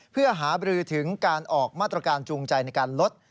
เพื่อหาบรือถึงการออกมาตรการจูงใจในการลด